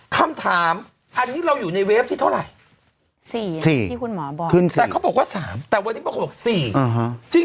คำถามอันนี้เราอยู่ในเวฟที่เท่าไหร่ที่คุณหมอบอกแต่เขาบอกว่า๓แต่วันนี้บางคนบอก๔